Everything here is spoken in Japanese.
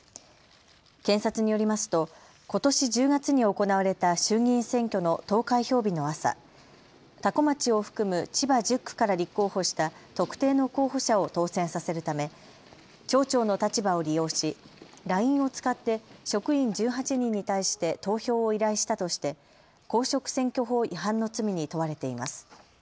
検察によりますとことし１０月に行われた衆議院選挙の投開票日の朝、多古町を含む千葉１０区から立候補した特定の候補者を当選させるため町長の立場を利用しＬＩＮＥを使って職員１８人に対して投票を依頼したとして公職選挙法違反の罪に問われています。